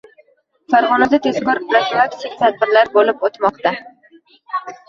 Farg‘onada tezkor profilaktik tadbirlar bo‘lib o‘tmoqda